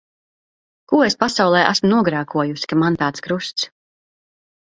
Ko es pasaulē esmu nogrēkojusi, ka man tāds krusts.